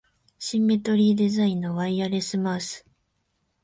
シンメトリーデザインのワイヤレスマウス